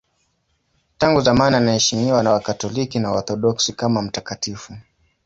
Tangu zamani anaheshimiwa na Wakatoliki na Waorthodoksi kama mtakatifu.